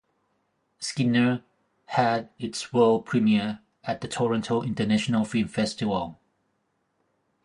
Skinner had its world premiere at the Toronto International Film Festival.